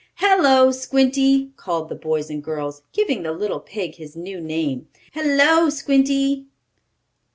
"Hello, Squinty!" called the boys and girls, giving the little pig his new name. "Hello, Squinty!"